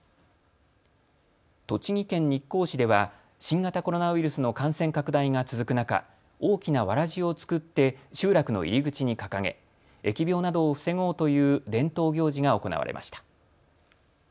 栃木県日光市では新型コロナウイルスの感染拡大が続く中、大きなわらじを作って集落の入り口に掲げ疫病などを防ごうという伝統行事が行われました。